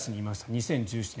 ２０１７年。